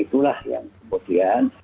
itulah yang kemudian